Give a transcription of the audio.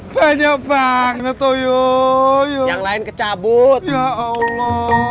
banyak banget yo yo kecabut bunga